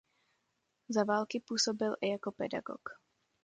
Za války působil i jako pedagog.